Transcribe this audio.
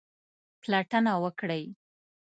پلټنه وکړئ